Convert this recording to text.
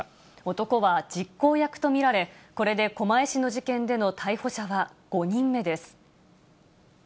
男は実行役と見られ、これで狛江市の事件での逮捕者は５人目です。